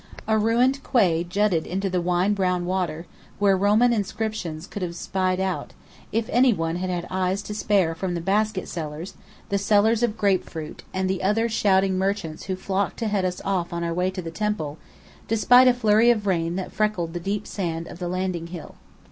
A ruined quay jutted into the wine brown water, where Roman inscriptions could have been spied out, if any one had had eyes to spare from the basket sellers, the sellers of grape fruit, and all the other shouting merchants who flocked to head us off on our way to the temple, despite a flurry of rain that freckled the deep sand of the landing hill.